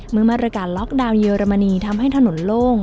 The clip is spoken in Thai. เมื่อมาตรการล็อกดาวน์เยอรมนีทำให้ถนนโล่ง